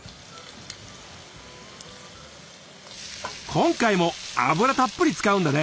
今回も油たっぷり使うんだね。